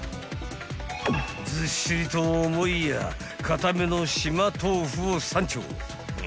［ずっしりと重いや硬めの島豆腐を３丁］